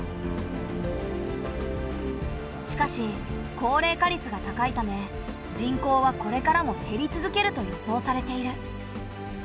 しかし高齢化率が高いため人口はこれからも減り続けると予想されている。